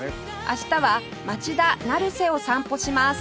明日は町田成瀬を散歩します